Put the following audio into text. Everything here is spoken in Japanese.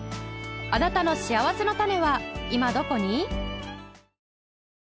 あなたのしあわせのたねは今どこに？